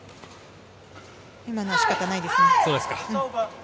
今のは仕方ないですね。